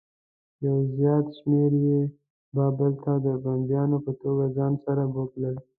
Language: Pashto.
یو زیات شمېر یې بابل ته د بندیانو په توګه ځان سره بوتلل.